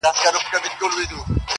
ستا د ږغ څــپــه ، څـپه ،څپــه نـه ده